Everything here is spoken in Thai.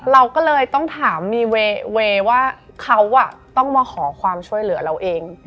เราก็เลยต้องถามมีเวย์ว่าเขาต้องมาขอความช่วยเหลือเราเอง